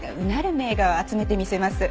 名画を集めてみせます。